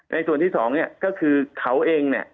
ในส่วนที่สองก็คือเขาเอง